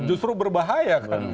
justru berbahaya kan